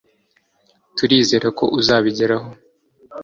turizera ko uzabigeraho